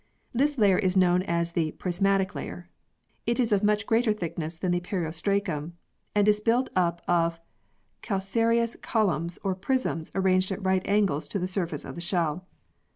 This layer is known as the Prismatic layer. It is of much greater thickness than the periostracum, and is built up of calcareous columns or prisms arranged at right angles to the surface of the shell.